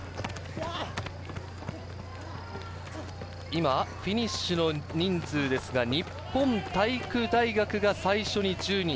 今フィニッシュの人数ですが、日本体育大学が最初に１０人。